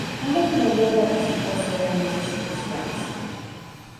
Una minoría participó sola en esas elecciones.